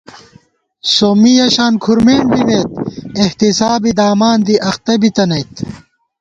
سومّی یَہ شان کھُرمېنڈ بِمېت، احتِسابے دامان دی اختہ بِتَنَئیت